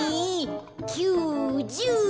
９１０。